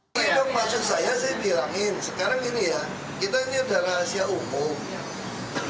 ini maksud saya saya bilangin sekarang ini ya kita ini adalah asia umum